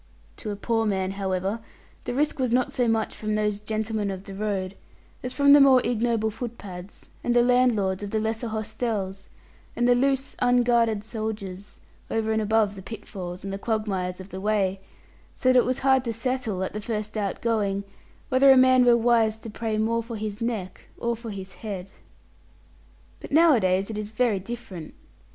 To a poor man, however, the risk was not so much from those gentlemen of the road as from the more ignoble footpads, and the landlords of the lesser hostels, and the loose unguarded soldiers, over and above the pitfalls and the quagmires of the way; so that it was hard to settle, at the first outgoing whether a man were wise to pray more for his neck or for his head. But nowadays it is very different.